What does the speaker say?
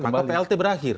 maka plt berakhir